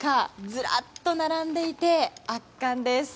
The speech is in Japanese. ずらっと並んでいて圧巻です。